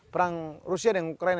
perang rusia dan ukraina